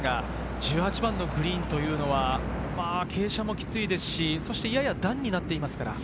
１８番のグリーンというのは傾斜もきついですし、やや段になっています。